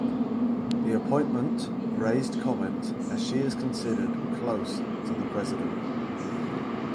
The appointment raised comment as she is considered close to the President.